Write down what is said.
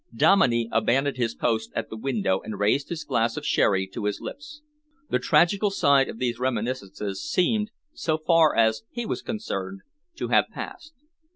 Dominey abandoned his post at the window and raised his glass of sherry to his lips. The tragical side of these reminiscences seemed, so far as he was concerned, to have passed.